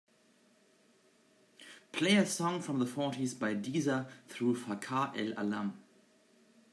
Play a song from the fourties by Deezer through Fakhar-e-alam.